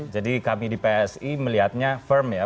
jadi kami di psi melihatnya firm ya